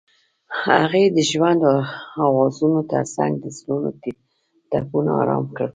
هغې د ژور اوازونو ترڅنګ د زړونو ټپونه آرام کړل.